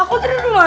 aku tidur dimana